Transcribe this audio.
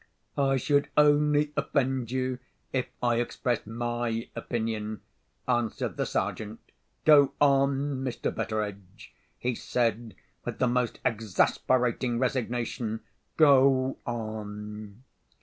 "I should only offend you if I expressed my opinion," answered the Sergeant. "Go on, Mr. Betteredge," he said, with the most exasperating resignation, "go on."